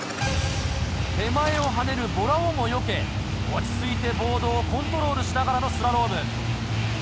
手前を跳ねるボラをもよけ落ち着いてボードをコントロールしながらのスラローム。